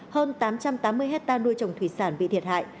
hơn tám trăm tám mươi hectare nuôi trồng thủy sản bị thiệt hại